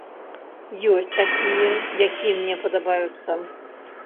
Ёсць такія, якія мне падабаюцца.